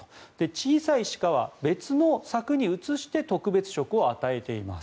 小さい鹿は別の柵に移して特別食を与えています